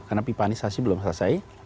karena pipanisasi belum selesai